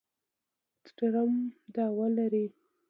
ټرمپ دعوه لري